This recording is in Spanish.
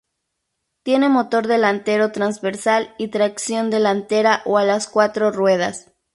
Tiene motor delantero transversal y tracción delantera o a las cuatro ruedas.